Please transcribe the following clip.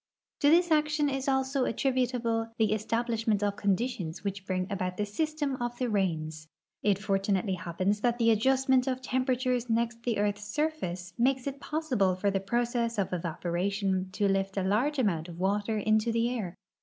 To this action is also attributable the establishment of conditions which bring about the system of the rains. It fortunately happens that the adjustment of tem peratures next the earth's surface makes it possible for the process of evaporation to lift a large amount of water into the air.